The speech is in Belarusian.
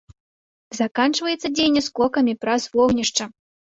Заканчваецца дзеянне скокамі праз вогнішча.